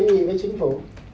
anh kiếm gì với chính phủ